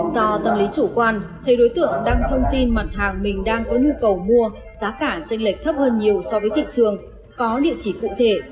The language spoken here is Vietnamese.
do tâm lý chủ quan thấy đối tượng đăng thông tin mặt hàng mình đang có nhu cầu mua giá cả tranh lệch thấp hơn nhiều so với thị trường có địa chỉ cụ thể